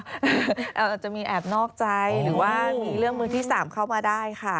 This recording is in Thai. อาจจะมีแอบนอกใจหรือว่ามีเรื่องมือที่๓เข้ามาได้ค่ะ